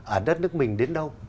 ở đất nước mình đến đâu